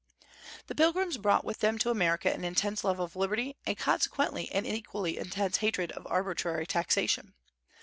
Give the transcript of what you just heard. The Pilgrims brought with them to America an intense love of liberty, and consequently an equally intense hatred of arbitrary taxation.